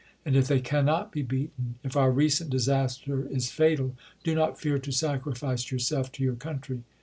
And if they cannot be beaten, — if our recent disaster is fatal, — do not fear to sacrifice yourself to your country.